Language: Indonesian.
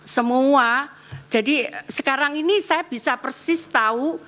semua jadi sekarang ini saya bisa persis tahu